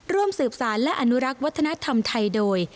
ร่วมสืบสารและอนุรักษ์วัฒนธรรมไทยโดย